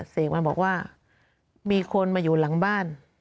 เสกมาบอกว่ามีคนมาอยู่หลังบ้าน